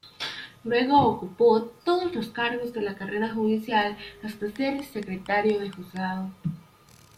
Luego ocupó todos los cargos de la carrera judicial hasta ser secretario de Juzgado.